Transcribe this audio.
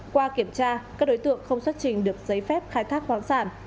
qua kiểm tra các đối tượng không xuất trình được giấy phép khai thác khoáng sản